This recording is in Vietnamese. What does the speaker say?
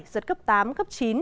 giật cấp tám cấp chín